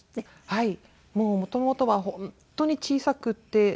はい。